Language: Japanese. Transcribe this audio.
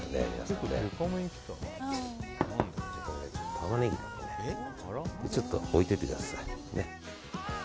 タマネギをねちょっと置いておいてください。